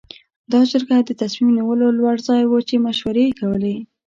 دا جرګه د تصمیم نیولو لوړ ځای و چې مشورې یې کولې.